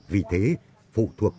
vì thế phụ thuộc vào